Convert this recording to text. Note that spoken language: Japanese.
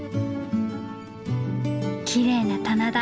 きれいな棚田。